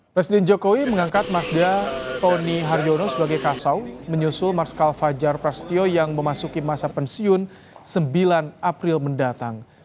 presiden jokowi mengangkat mazda tony haryono sebagai kasau menyusul marskal fajar prasetyo yang memasuki masa pensiun sembilan april mendatang